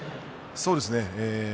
そうですね。